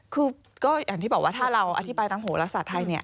คือก็อย่างที่บอกว่าถ้าเราอธิบายทั้งโหระสัตว์ไทย